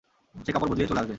সে কাপড় বদলিয়ে চলে আসবে।